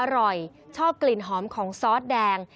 อร่อยชอบกลิ่นหอมของซอสแดง